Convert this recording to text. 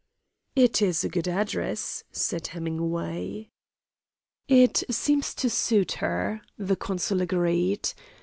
"It's a good address," said Hemingway. "It seems to suit her," the consul agreed.